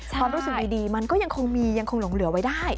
ความรู้สึกดีมันก็ยังคงมียังคงหลงเหลือไว้ได้